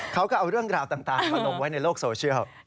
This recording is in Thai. เขาก็เอาเรื่องราวต่างมาลงไว้ในโลกโซเชียล